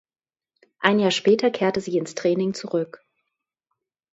Ein Jahr später kehrte sie ins Training zurück.